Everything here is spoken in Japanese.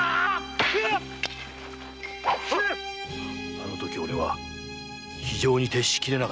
あのとき俺は非情に徹しきれなかった！